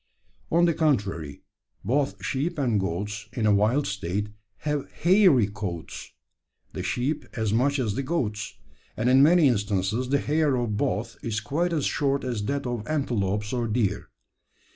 On the contrary, both sheep and goats in a wild state have hairy coats the sheep as much as the goats; and in many instances the hair of both is quite as short as that of antelopes or deer.